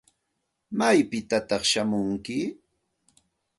¿Maypitataq shamunki?